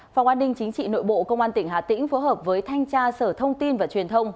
phòng an ninh chính trị nội bộ công an tỉnh hà tĩnh phối hợp với thanh tra sở thông tin và truyền thông